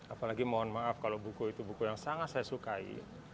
apalagi mohon maaf kalau buku itu buku yang sangat saya sukai